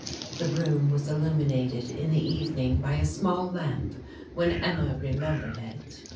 The room was illuminated in the evening by a small lamp when Emma remembered it.